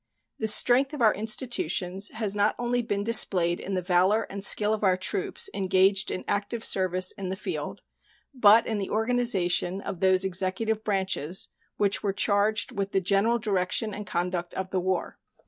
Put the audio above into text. The strength of our institutions has not only been displayed in the valor and skill of our troops engaged in active service in the field, but in the organization of those executive branches which were charged with the general direction and conduct of the war.